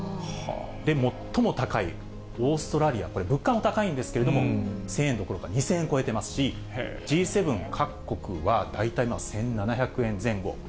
で、最も高いオーストラリア、これ、物価も高いんですけれども、１０００円どころか２０００円を超えてますし、Ｇ７各国は大体１７００円前後。